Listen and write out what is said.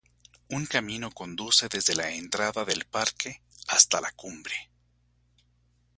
Un camino conduce desde la entrada del parque hasta la cumbre.